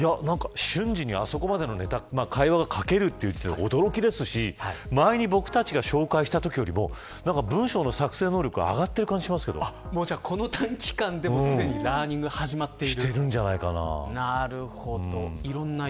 瞬時にあそこまでのネタ会話が書けるという時点で驚きですし前に僕たちが紹介したときよりも文書の作成能力がこの短期間でもすでにラーニングが始まっている。